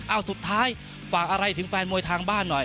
เอาสุดท้ายฝากอะไรถึงแฟนมวยทางบ้านหน่อย